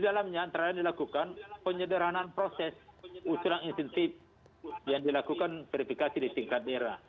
di dalamnya antara lain dilakukan penyederhanaan proses usulan insentif yang dilakukan verifikasi di tingkat daerah